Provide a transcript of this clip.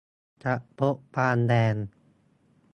จะพบปานแดง